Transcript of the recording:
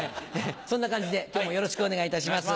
そんな感じで今日もよろしくお願いいたします。